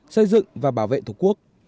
xây dựng và bảo vệ thủ quốc